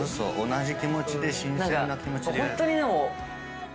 同じ気持ちで新鮮な気持ちでやる。